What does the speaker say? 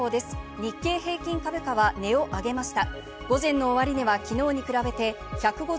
日経平均株価は値を上げました。